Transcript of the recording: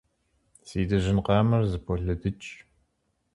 Си дыжьын къамэр зыполыдыкӏ.